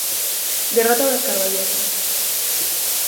Derrota das carballesas.